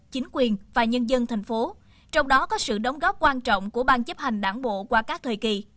chính quyền và nhân dân thành phố trong đó có sự đóng góp quan trọng của ban chấp hành đảng bộ qua các thời kỳ